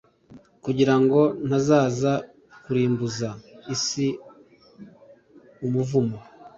kugira ngo ntazaza kurimbuza isi umuvumo.”